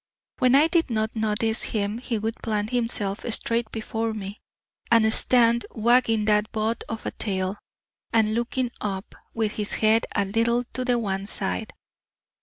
When I did not notice him he would plant himself straight before me, and stand wagging that bud of a tail, and looking up, with his head a little to the one side.